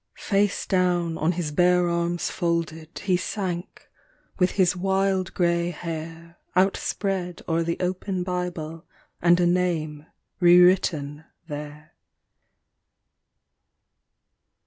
Face down on his bare arms folded he sank with his wild grey hair Outspread o'er the open Bible and a name re written there.